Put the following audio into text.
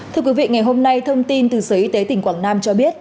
thưa quý vị ngày hôm nay thông tin từ sở y tế tỉnh quảng nam cho biết